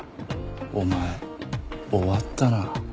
お前終わったな。